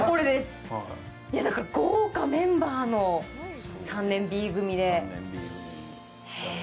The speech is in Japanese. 豪華メンバーの「３年Ｂ組」で。